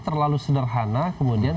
terlalu sederhana kemudian